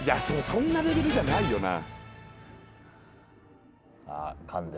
そんなレベルじゃないよな。